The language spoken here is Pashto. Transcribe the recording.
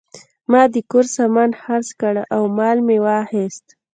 ما د کور سامان خرڅ کړ او مال مې واخیست.